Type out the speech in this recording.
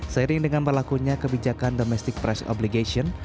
seiring dengan berlakunya kebijakan domestic price obligation